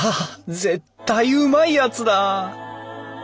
絶対うまいやつだ！